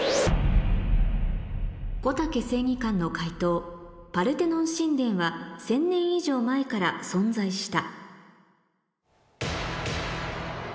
こたけ正義感の解答「パルテノン神殿は１０００年以上前から存在した」